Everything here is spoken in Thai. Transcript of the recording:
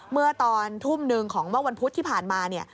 เมื่อตอนทุ่ม๑ของเมื่อวันพุธที่ผ่านมา